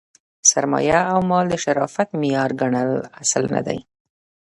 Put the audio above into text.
سرمایه او مال د شرافت معیار ګڼل اصل نه دئ.